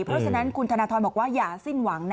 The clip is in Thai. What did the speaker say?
เพราะฉะนั้นคุณธนทรบอกว่าอย่าสิ้นหวังนะ